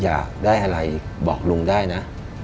อยากได้อะไรบอกลุงได้นะ